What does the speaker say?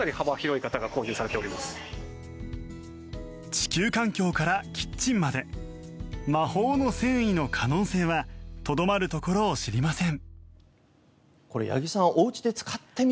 地球環境からキッチンまで魔法の繊維の可能性はとどまるところを知りません。